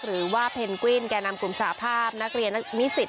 หรือว่าเพนกวินแก่นำกลุ่มสาภาพนักเรียนนิสิต